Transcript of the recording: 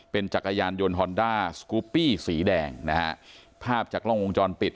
เป็นจักรยานยนต์ฮอนด้าสกูปปี้สีแดงนะฮะภาพจากกล้องวงจรปิด